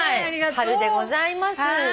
春でございます。